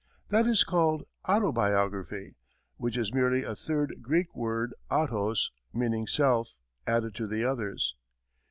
That is called autobiography, which is merely a third Greek word, "autos," meaning self, added to the others.